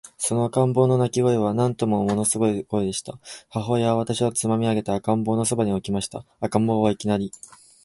その赤ん坊の泣声は、なんとももの凄い声でした。母親は私をつまみ上げて、赤ん坊の傍に置きました。赤ん坊は、いきなり、